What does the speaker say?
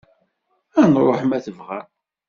Ad nruḥ, ma tebɣam.